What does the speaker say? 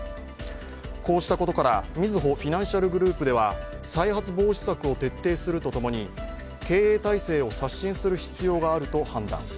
こうしたことから、みずほフィナンシャルグループでは再発防止策を徹底するとともに経営体制を刷新する必要があると判断。